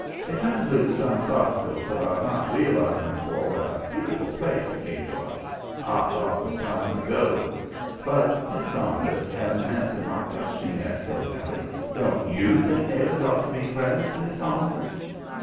He turned loose some soft soap about not realizing afore what a beautiful place the Cape was. I thought 'twas time to go. "'But Miss Saunders hasn't answered my question yet,' says Allie. 'Don't YOU think neighbors ought to be friends, Miss Saunders?'